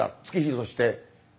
月日として。